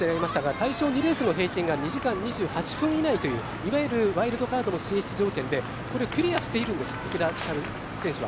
対象レースの平均が２時間２８分以内といういわゆるワイルドカードの進出条件ってこれをクリアしてるんですよ、池田千晴選手は。